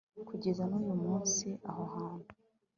kugeza n uyu munsi aho hantu